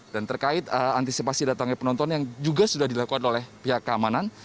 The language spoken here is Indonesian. terkait antisipasi datangnya penonton yang juga sudah dilakukan oleh pihak keamanan